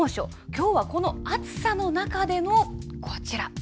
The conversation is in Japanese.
きょうは、この暑さの中でのこちら。